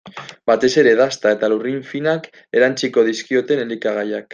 Batez ere dasta eta lurrin finak erantsiko dizkioten elikagaiak.